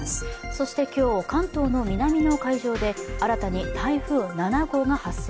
そして今日、関東の南海上で新たに台風７号が発生。